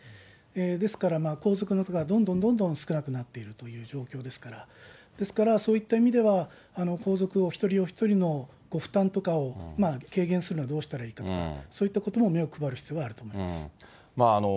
ですから皇族の方がどんどんどんどん少なくなっているという状況ですから、ですから、そういった意味では、皇族、お一人お一人のご負担とかを軽減するのはどうしたらいいかとか、そういったことも目を配る必要があると思います。